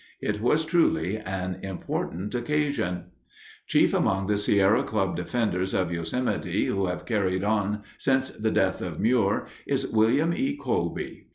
It was truly an important occasion. Chief among the Sierra Club defenders of Yosemite who have carried on since the death of Muir is William E. Colby.